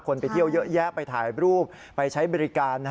ไปเที่ยวเยอะแยะไปถ่ายรูปไปใช้บริการ